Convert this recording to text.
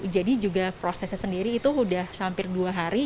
jadi juga prosesnya sendiri itu sudah hampir dua hari